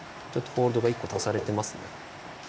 ホールドが１個、足されています。